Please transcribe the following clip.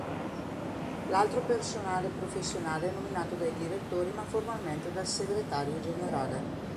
L'altro personale professionale è nominato dai Direttori, ma formalmente dal Segretario Generale.